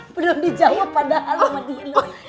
belum dijawab padahal sama diri